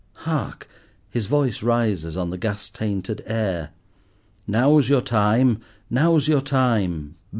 Hark! his voice rises on the gas tainted air—"Now's your time! Now's your time!